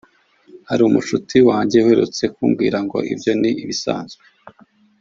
Hari umucuti wanjye uherutse kumbwira ngo ibyo ni ibisanzwe